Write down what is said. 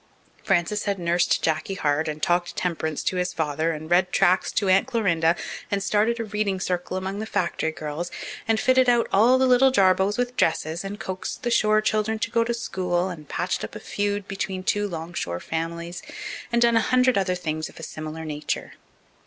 Frances had nursed Jacky Hart and talked temperance to his father and read tracts to Aunt Clorinda and started a reading circle among the factory girls and fitted out all the little Jarboes with dresses and coaxed the shore children to go to school and patched up a feud between two 'longshore families and done a hundred other things of a similar nature.